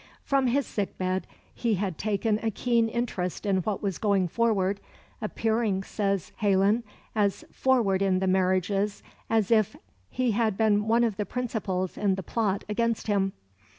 From his sick bed he had taken a keen interest in what was going forward, appearing, says Heylyn, as forward in the marriages as if he had been one of the principals in the plot against him.